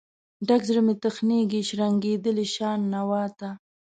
ډک زړه مې تخنیږي، شرنګیدلې شان نوا ته